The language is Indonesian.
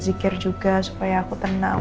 zikir juga supaya aku tenang